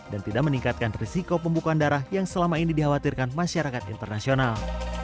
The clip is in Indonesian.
dan tidak meningkatkan risiko pembukaan darah yang selama ini dikhawatirkan masyarakat internasional